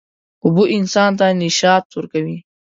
اوبه انسان ته نشاط ورکوي.